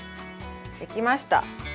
できました。